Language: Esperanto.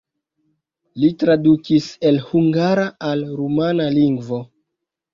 Li tradukis el hungara al rumana lingvo.